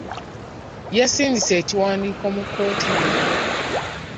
Yasindise ekiwandiiko mu kkooti leero.